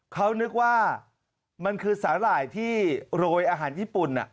เขานึกว่ามันคือสาหร่ายที่โรยอาหารญี่ปุ่น